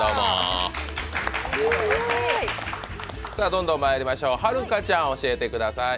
どんどんまいりましょう、はるかちゃん教えてください。